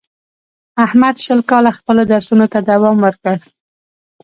احمد شل کاله خپلو درسونو ته دوام ورکړ.